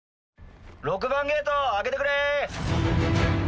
６番ゲート開けてくれ。